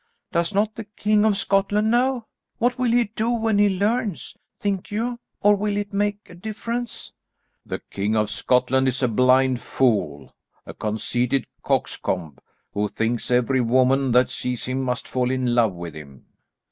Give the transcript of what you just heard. Does not the King of Scotland know? What will he do when he learns, think you, or will it make a difference?" "The King of Scotland is a blind fool; a conceited coxcomb, who thinks every woman that sees him must fall in love with him."